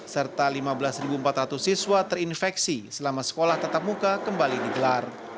serta lima belas empat ratus siswa terinfeksi selama sekolah tatap muka kembali digelar